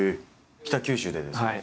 北九州でですか？